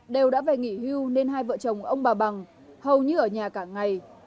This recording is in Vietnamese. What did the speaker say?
đều đã về nghỉ hưu nên hai vợ chồng ông bà bằng hầu như ở nhà cả ngày